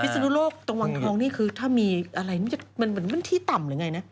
พิศนุโรคตรงวันท้องนี้คือมันที่ต่ำหรือไงนะ